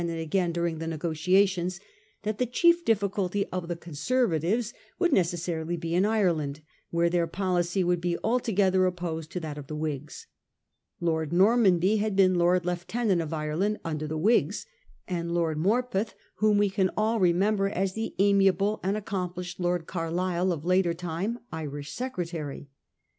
VI, and again during the negotiations — that the dhief difficulty of the Conservatives would necessarily be in Ireland, where their policy would be altogether opposed to that of the Whigs. Lord Normanby had been Lord Lieutenant of Ireland under the Whigs, and Lord Morpeth, whom we can all remember as the amiable and accomplished Lord Carlisle of later time, Irish Secretary.